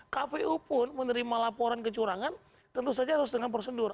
kpu pun menerima laporan kecurangan tentu saja harus dengan prosedur